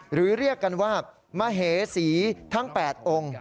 เรียกกันว่ามเหสีทั้ง๘องค์